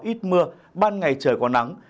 ít mưa ban ngày trời còn nắng